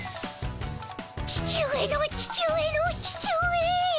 父上の父上の父上。